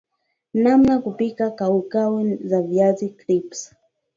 nanmna kupika kaukau za viazi crisps